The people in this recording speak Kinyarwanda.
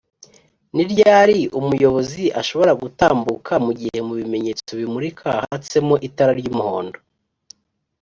ni ryari umuyobozi ashobora gutambuka mugihe mubimenyetso bimurika hatsemo itara ry’umuhondo?